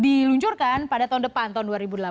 diluncurkan pada tahun depan tahun dua ribu delapan belas